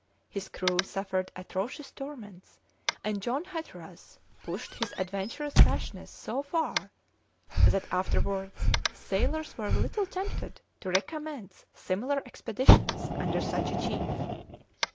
His crew suffered atrocious torments, and John Hatteras pushed his adventurous rashness so far, that, afterwards, sailors were little tempted to re commence similar expeditions under such a chief.